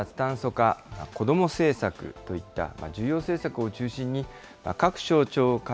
防衛や脱炭素化、子ども政策といった重要政策を中心に、各省庁か